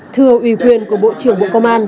thưa uy quyền của bộ trưởng bộ công an